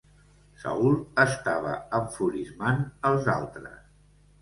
Saul estava enfurismant els altres.